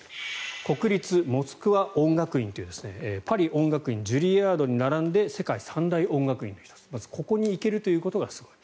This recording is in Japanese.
国立モスクワ音楽院というパリ音楽院ジュリアードに並んで世界三大音楽院の１つまずここに行けるがすごい。